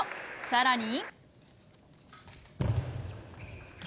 さらに。